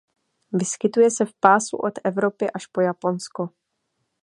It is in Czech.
Vyskytuje se v pásu od Evropy až po Japonsko.